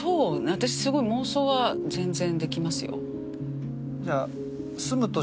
私すごい妄想は全然できますよ。